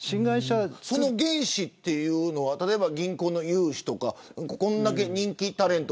その原資というのは銀行の融資とかこれだけ人気タレント